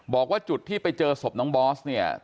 บอกว่าจุดที่ไปเจอศพน้องบอสเนี่ย